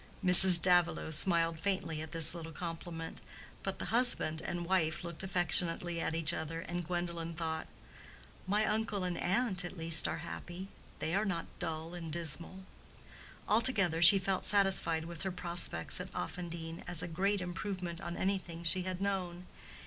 Mrs. Davilow smiled faintly at this little compliment, but the husband and wife looked affectionately at each other, and Gwendolen thought, "My uncle and aunt, at least, are happy: they are not dull and dismal." Altogether, she felt satisfied with her prospects at Offendene, as a great improvement on anything she had known.